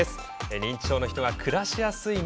認知症の人が暮らしやすい町